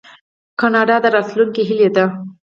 کاناډا د راتلونکي هیله ده.